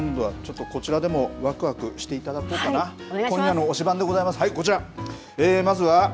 さあ今度はこちらでもわくわくしていただこうかな。